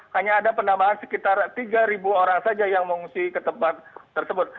hanya ada penambahan sekitar tiga orang saja yang mengungsi ke tempat tersebut